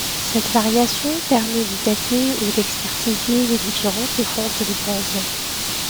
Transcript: Cette variation permet de dater ou d'expertiser les différentes fontes de bronzes.